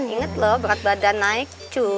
ingat loh berat badan naik